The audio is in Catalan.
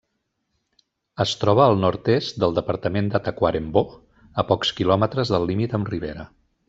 Es troba al nord-est del departament de Tacuarembó, a pocs quilòmetres del límit amb Rivera.